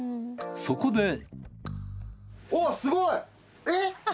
そこでおっすごいえっ？